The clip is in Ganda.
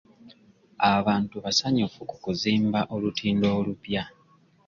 Abantu basanyufu ku kuzimba olutindo olupya.